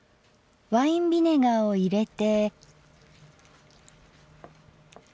ワインビネガーを入れて。